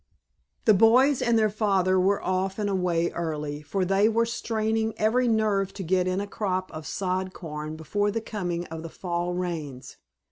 The boys and their father were off and away early, for they were straining every nerve to get in a crop of sod corn before the coming of the fall rains.